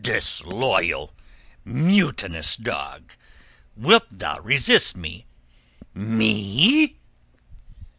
"Disloyal, mutinous dog! Wilt thou resist me—me?"